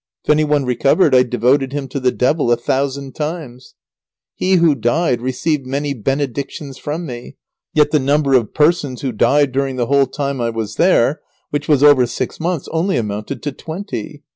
If any one recovered I devoted him to the devil a thousand times. He who died received many benedictions from me, yet the number of persons who died during the whole time I was there, which was over six months, only amounted to twenty.